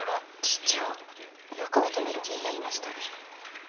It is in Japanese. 次長よく認める気になりましたね。